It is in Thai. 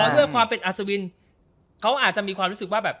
ด้วยความเป็นอัศวินเขาอาจจะมีความรู้สึกว่าแบบ